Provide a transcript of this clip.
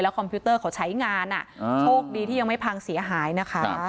คอมพิวเตอร์เขาใช้งานโชคดีที่ยังไม่พังเสียหายนะคะ